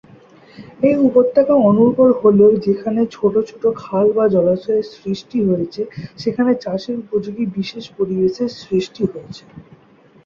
এই উপত্যকা অনুর্বর হলেও যেখানে ছোট ছোট খাল বা জলাধারের সৃষ্টি হয়েছে সেখানে চাষের উপযোগী বিশেষ পরিবেশের সৃষ্টি হয়েছে।